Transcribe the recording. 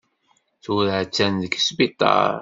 Tura attan deg sbiṭar.